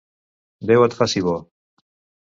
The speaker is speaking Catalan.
Déu et faci bo!